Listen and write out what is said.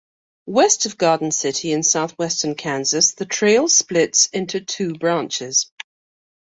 West of Garden City in southwestern Kansas the trail splits into two branches.